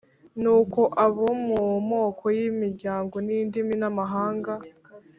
Nuko abo mu moko n’imiryango n’indimi n’amahanga,